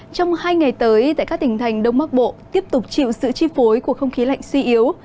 trong hai ngày tới tại các tỉnh thành đông bắc bộ tiếp tục chịu sự chi phối của không khí lạnh suy yếu